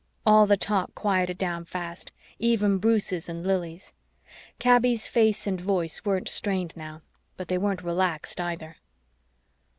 All the talk quieted down fast, even Bruce's and Lili's. Kaby's face and voice weren't strained now, but they weren't relaxed either.